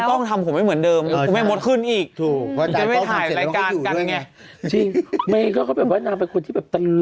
กินข้าวคุยเป็นเพื่อนหน่อยเพื่อคุยเขาคิดเป็นชั่วโมงะที